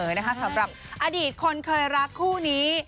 นะคะสำหรับอดีตคนเคยรักคู่นี้